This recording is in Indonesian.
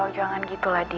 jangan gitu lah di